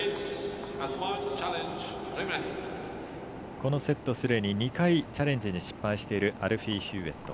このセットすでに２回チャレンジに失敗しているアルフィー・ヒューウェット。